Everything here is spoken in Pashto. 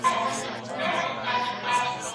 په ادارو کي باید د مراجعینو احترام وسي.